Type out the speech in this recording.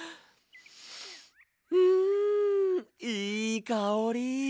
うんいいかおり！